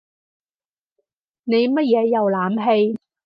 你乜嘢瀏覽器？